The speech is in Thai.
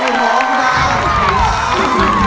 ยังไง